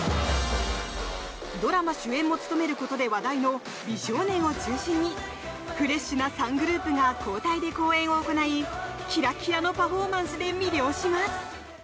ドラマ主演も務めることで話題の美少年を中心にフレッシュな３グループが交代で公演を行いキラキラのパフォーマンスで魅了します。